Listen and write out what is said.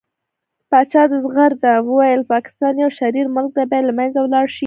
پاچا په ځغرده وويل پاکستان يو شرير ملک دى بايد له منځه ولاړ شي .